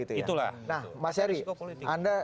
nah pak seri anda